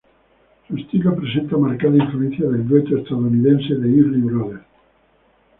Su estilo presenta marcada influencia del dueto estadounidense "The Everly Brothers".